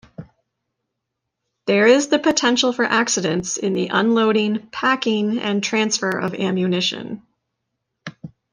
There is the potential for accidents in the unloading, packing, and transfer of ammunition.